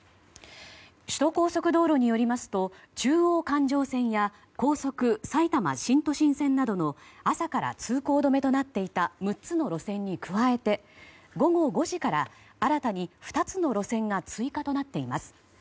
首都高速道路によりますと中央環状線や高速埼玉新都心線などの朝から通行止めとなっていた６つの路線に加えて午後５時から新たに２つの路線が追加となっています。